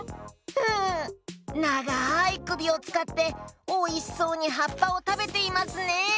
うんながいくびをつかっておいしそうにはっぱをたべていますね。